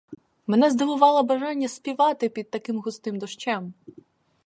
Мене здивувало бажання співати під таким густим дощем.